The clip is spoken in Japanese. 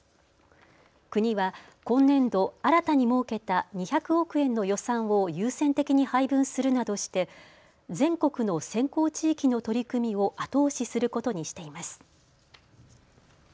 国は今年度、新たに設けた２００億円の予算を優先的に配分するなどして全国の先行地域の取り組みを後押しすることにしています。